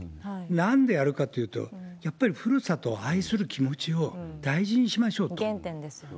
なんでやるかというと、やっぱりふるさとを愛する気持ちを大事に原点ですよね。